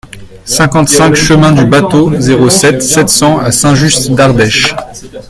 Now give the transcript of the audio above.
cinquante-cinq chemin du Bâteau, zéro sept, sept cents à Saint-Just-d'Ardèche